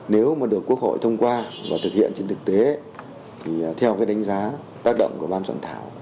nếu mà được quốc hội thông qua và thực hiện trên thực tế thì theo cái đánh giá tác động của ban soạn thảo